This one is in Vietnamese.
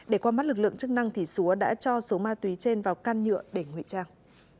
để qua mắt lực lượng chức năng thì súa đã cho số ma túy trên vào căn nhựa để nguy trang